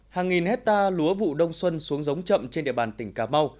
hàng nghìn hectare lúa vụ đông xuân xuống giống chậm trên địa bàn tỉnh cà mau